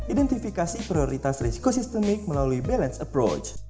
identifikasi prioritas risiko sistemik melalui balance approach